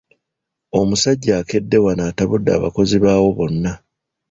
Omusajja akedde wano atabudde abakozi baawo bonna.